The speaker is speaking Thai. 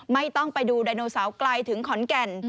ไม่ต้องไปดูไดโนเสาร์ไกลถึงขอนแก่น